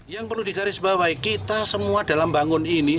yang perlu dikaris bahwa kita semua dalam bangun ini